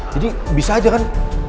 jadi bisa aja kan